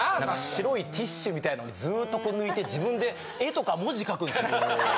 白いティッシュみたいなのをずっとこう抜いて自分で絵とか文字書く。